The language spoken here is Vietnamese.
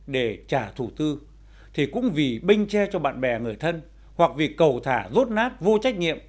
để trả thù tư thì cũng vì bên che cho bạn bè người thân hoặc vì cầu thả rốt nát vô trách nhiệm